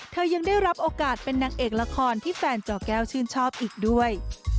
ยังได้รับโอกาสเป็นนางเอกละครที่แฟนจอแก้วชื่นชอบอีกด้วย